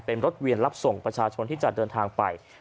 เป็นรถเวียนรับส่งประชาชนที่จะเดินทางไป